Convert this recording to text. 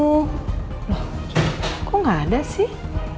loh kok nggak ada sih